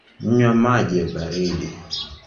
Nywa maji ya baridi